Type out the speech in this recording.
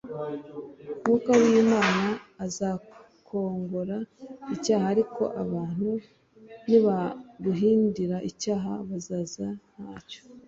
, Mwuka w’Imana azakongora icyaha. Ariko abantu ni bagundira icyaha bazasa nacyo.